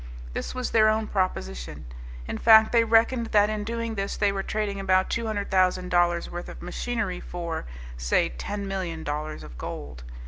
This was their own proposition; in fact, they reckoned that in doing this they were trading about two hundred thousand dollars' worth of machinery for, say ten million dollars of gold.